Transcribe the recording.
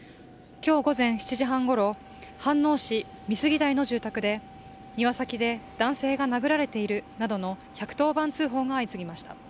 今日午前７時半ごろ、飯能市美杉台の住宅で庭先で男性が殴られているなどの１１０番通報が相次ぎました。